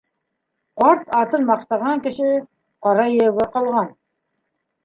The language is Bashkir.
Ҡарт атын маҡтаған кеше ҡара йәйәүгә ҡалған.